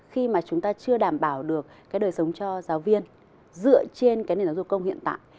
khi mà chúng ta chưa đảm bảo được cái đời sống cho giáo viên dựa trên cái nền giáo dục công hiện tại